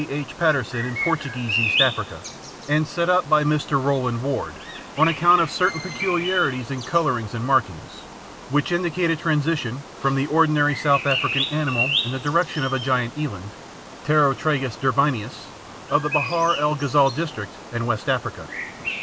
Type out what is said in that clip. H. Patterson in Portuguese East Africa, and set up by Mr. Rowland Ward, on account of certain peculiarities in colouring and markings, which indicate a transition from the ordinary South African animal in the direction of the giant eland (Taurotragus derbianus) of the Bahr el Ghazal district and West Africa.